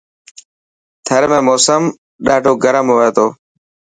ٿر ۾ موسم ڏاڌو گرم هئي ٿو.